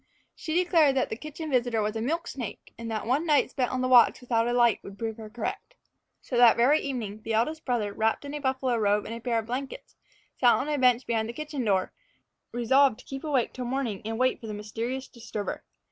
She declared that the kitchen visitor was a milk snake, and that one night spent on the watch without a light would prove her correct. So that very evening, the eldest brother, wrapped in a buffalo robe and a pair of blankets, sat on a bench behind the kitchen door, resolved to keep awake till morning in wait for the mysterious disturber.